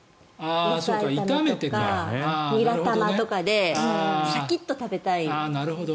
野菜炒めとかニラ玉とかでシャキッと食べたい。